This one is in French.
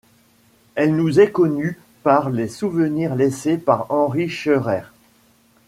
Elle nous est connue par les souvenirs laissés par Henri Scheurer.